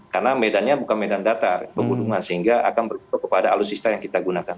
karena medannya bukan medan datar sehingga akan berisiko kepada alutsista yang kita gunakan